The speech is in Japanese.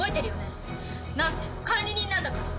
なんせ管理人なんだから！